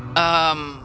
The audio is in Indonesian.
apa kau mencuci piring